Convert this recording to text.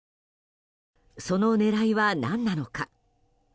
その狙いは何なのか。